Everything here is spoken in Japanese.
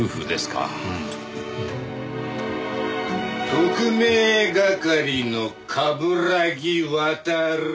特命係の冠城亘。